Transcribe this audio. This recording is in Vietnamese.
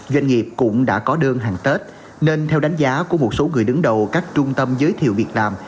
doanh nghiệp cũng đã có đơn hàng tết nên theo đánh giá của một số người đứng đầu các trung tâm giới thiệu việc làm